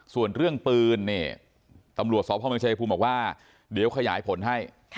ส่วนเรื่องปื้นเนี้ยตำรวจสอบพระมีศาลพูดบอกว่าเดี๋ยวขยายผลให้